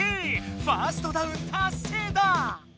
ファーストダウンたっせいだ！